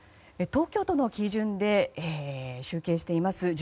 東京都の基準で集計しています。